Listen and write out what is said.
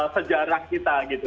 sejarah kita gitu